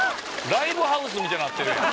ライブハウスみたいになってるやん